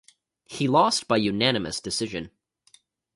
He lost by unanimous decision.